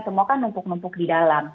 semua kan numpuk numpuk di dalam